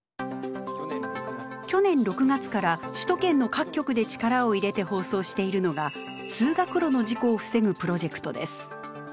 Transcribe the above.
去年６月から首都圏の各局で力を入れて放送しているのが通学路の事故を防ぐプロジェクトです。